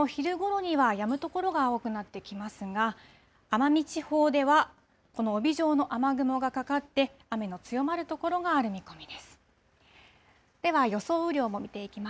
そして、このあとも見てみると関東の雨はあすの昼ごろにはやむ所が多くなってきますが奄美地方ではこの帯状の雨雲がかかって雨の強まる所がある見込みです。